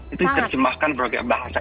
itu diserjemahkan berbagai bahasa